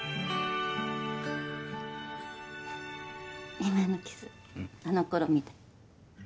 今のキスあの頃みたい。